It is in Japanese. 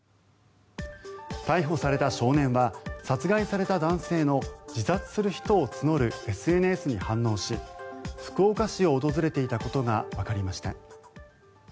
逮捕された少年は殺害された男性の自殺する人を募るＳＮＳに反応し福岡市を訪れていたことがわかりました。